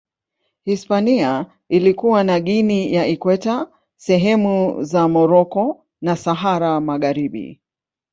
Hispania ilikuwa na Guinea ya Ikweta, sehemu za Moroko na Sahara Magharibi.